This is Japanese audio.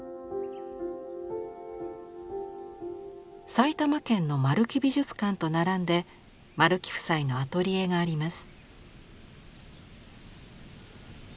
埼玉県の丸木美術館と並んで丸木夫妻のアトリエがあります。